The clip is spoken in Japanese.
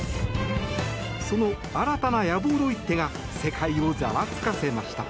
その新たな野望の一手が世界をざわつかせました。